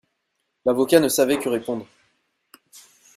L'avocat ne savait que répondre.